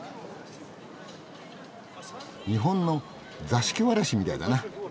日本の座敷わらしみたいだな。